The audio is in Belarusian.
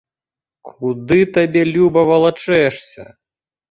Куды табе люба валачэшся.